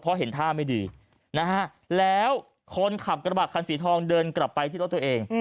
เพราะเห็นท่าไม่ดีนะฮะแล้วคนขับกระบะคันสีทองเดินกลับไปที่รถตัวเอง